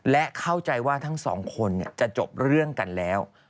และเข้าใจว่าทั้งสองคนจะจบเรื่องกันแล้ว